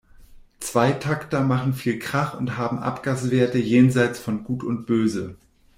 Zweitakter machen viel Krach und haben Abgaswerte jenseits von Gut und Böse.